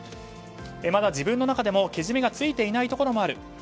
まだ自分の中でも、けじめがついていないところもある。